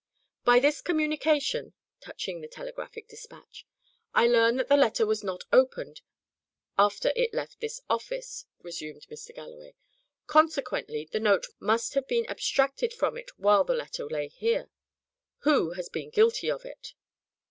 "By this communication," touching the telegraphic despatch, "I learn that the letter was not opened after it left this office," resumed Mr. Galloway. "Consequently, the note must have been abstracted from it while the letter lay here. Who has been guilty of it?"